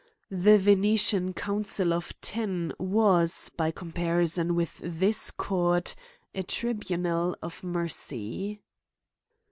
The Venetian Council of Ten was, by comparison with this court, a tribunal of mercy.